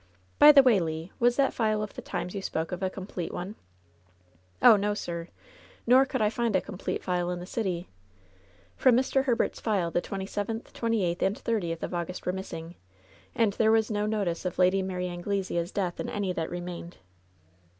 By the way, Le, was that f&e of the Times you spoke of a complete one ?" "Oh, no, sir. Nor could I find a complete file in the city. From Mr. Herbert's file the twenty seventh, twen ty eighth and thirtieth of August were missing, and there was no notice of Lady Mary Anglesea's death in any that remained."